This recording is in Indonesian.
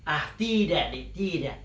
ah tidak adik tidak